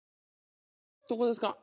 どこですか？